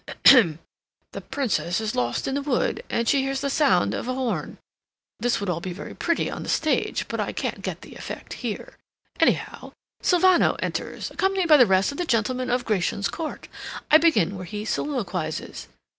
"Ahem! The Princess is lost in the wood, and she hears the sound of a horn. (This would all be very pretty on the stage, but I can't get the effect here.) Anyhow, Sylvano enters, accompanied by the rest of the gentlemen of Gratian's court. I begin where he soliloquizes."